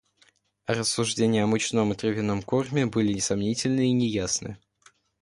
А рассуждения о мучном и травяном корме были сомнительны и неясны.